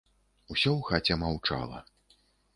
Усё ў хаце маўчала.